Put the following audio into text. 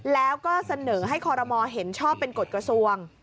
แล้วก็เสนอให้คอรมอลเห็นชอบเป็นกฎกระทรวง